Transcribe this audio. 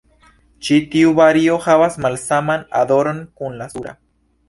Ĉi tiu vario havas malsaman odoron kun la sura.